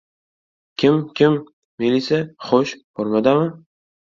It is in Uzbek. — Kim-kim? Melisa? Xo‘sh, formadami?